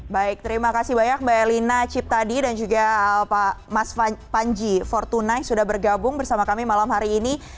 baik terima kasih banyak mbak elina ciptadi dan juga pak mas panji fortunai sudah bergabung bersama kami malam hari ini